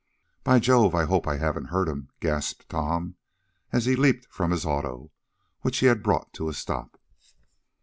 "By Jove! I hope I haven't hurt him!" gasped Tom, as he leaped from his auto, which he had brought to a stop.